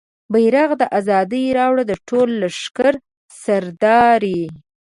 بیرغ د ازادۍ راوړه د ټول لښکر سردارې